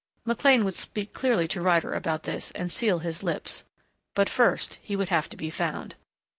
McLean would speak clearly to Ryder about this and seal his lips.... But first he would have to be found.